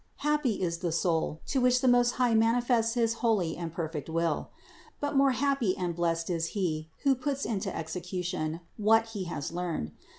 Happy is the soul, to which the Most High manifests his holy and perfect will ; but more happy and blessed is he, who puts into execution, what he has learned.